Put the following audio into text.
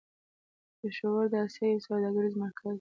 پېښور د آسيا يو سوداګريز مرکز و.